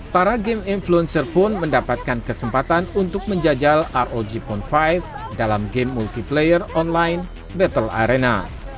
para game influencer pun mendapatkan kesempatan untuk menjajal rog phone lima dalam game multiplayer online battle arena